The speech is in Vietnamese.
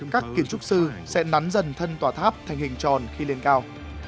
các kiến trúc sư sẽ nắn dần thân tòa tháp thành hình tròn khi lên cao